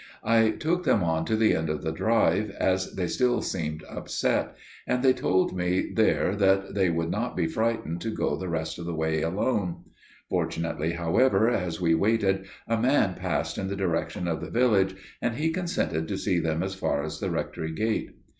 I took them on to the end of the drive, as they still seemed upset; and they told me there that they would not be frightened to go the rest of the way alone. Fortunately, however, as we waited a man passed in the direction of the village, and he consented to see them as far as the Rectory gate.